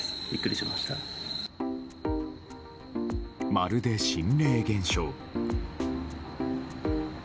まるで心霊現象。